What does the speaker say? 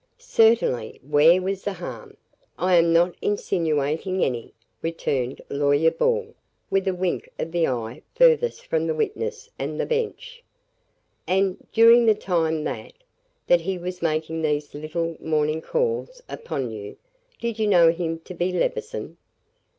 "Certainly where was the harm? I am not insinuating any," returned Lawyer Ball, with a wink of the eye furthest from the witness and the bench. "And, during the time that that he was making these little morning calls upon you, did you know him to be Levison?"